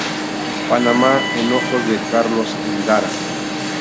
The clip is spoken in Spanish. Panamá en ojos de Carlos Endara".